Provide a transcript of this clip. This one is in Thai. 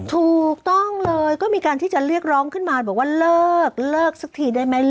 ถูกต้องเลยก็มีการที่จะเรียกร้องขึ้นมาบอกว่าเลิกเลิกสักทีได้ไหม